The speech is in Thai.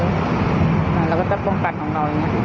เราก็จะป้องกันของเราอย่างนี้